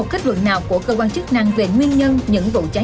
như thời gian vừa qua